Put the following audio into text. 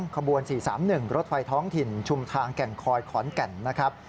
ขบวน๔๓๑รถไฟท้องถิ่นชุมทางแก่งคอยขอนแก่นนะครับ